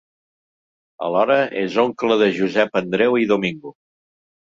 Alhora és oncle de Josep Andreu i Domingo.